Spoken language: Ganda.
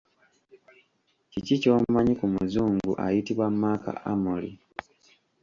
Kiki ky’omanyi ku muzungu ayitibwa Mark Amory?